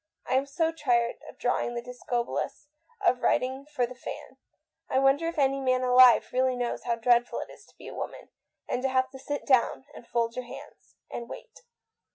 I am so tired of drawing the Discobolus, of writing for The Fan. I wonder if any man alive really knows how dreadful it is to be a woman, and to have to sit down and fold your hands and wait